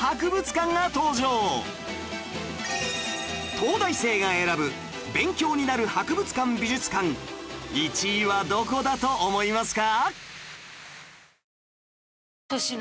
東大生が選ぶ勉強になる博物館・美術館１位はどこだと思いますか？